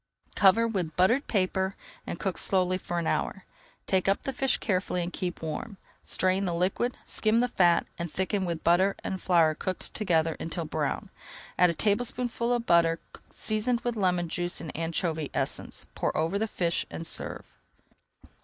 Cover with buttered paper and cook slowly for an hour. Take up the fish carefully and keep warm. Strain the liquid, skim the fat, and thicken with butter and flour cooked together until brown. Add a tablespoonful of butter, seasoned with lemon juice and anchovy essence, pour over the fish, and serve.